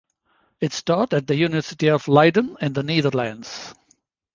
It is taught at the University of Leiden in the Netherlands.